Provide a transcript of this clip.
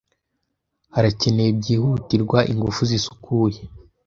Harakenewe byihutirwa ingufu zisukuye.